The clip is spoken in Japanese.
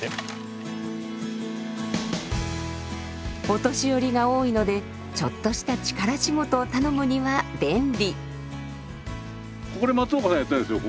お年寄りが多いのでちょっとした力仕事を頼むには便利。